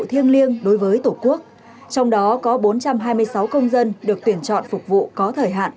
thiêng liêng đối với tổ quốc trong đó có bốn trăm hai mươi sáu công dân được tuyển chọn phục vụ có thời hạn